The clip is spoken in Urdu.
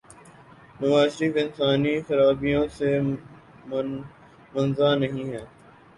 نوازشریف انسانی خرابیوں سے منزہ نہیں ہیں۔